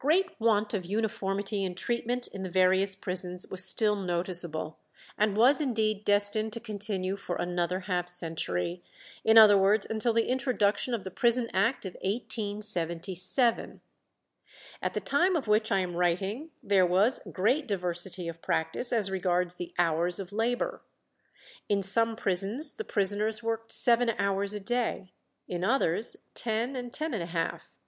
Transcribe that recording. Great want of uniformity in treatment in the various prisons was still noticeable, and was indeed destined to continue for another half century, in other words, until the introduction of the Prison Act of 1877. At the time of which I am writing there was great diversity of practice as regards the hours of labour. In some prisons the prisoners worked seven hours a day, in others ten and ten and a half.